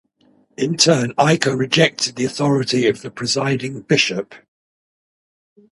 In turn, Iker rejected the authority of the Presiding Bishop.